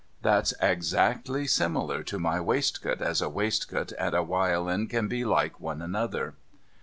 That's as exactly similar to my waistcoat as a waistcoat and a wiolin can be like one another.